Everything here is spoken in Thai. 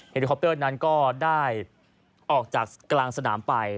ลิคอปเตอร์นั้นก็ได้ออกจากกลางสนามไป